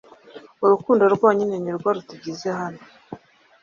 urukundo rwonyine nirwo rutugize hano